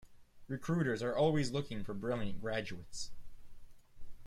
Recruiters are always looking for brilliant graduates.